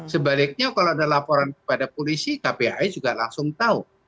sebaliknya kalau ada laporan kepada polisi kpai juga langsung tahu